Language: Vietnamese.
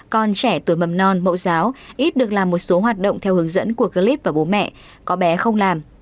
con trẻ tuổi mầm non mẫu giáo ít được làm một số hoạt động theo hướng dẫn của clip và bố mẹ có bé không làm